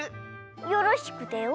よろしくてよ。